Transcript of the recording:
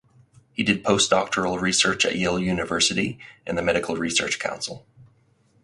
He did postdoctoral research at Yale University and the Medical Research Council.